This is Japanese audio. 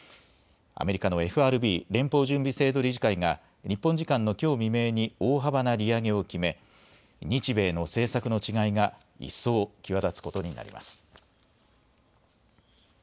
アメリカのＦＲＢ・連邦準備制度理事会が日本時間のきょう未明に大幅な利上げを決め日米の政策の違いが一層際立つことになります。